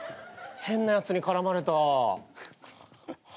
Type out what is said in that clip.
変なやつに絡まれた。